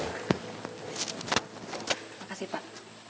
terima kasih pak